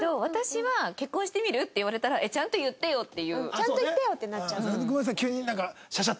「ちゃんと言ってよ」ってなっちゃう。